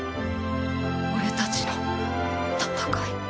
俺たちの戦い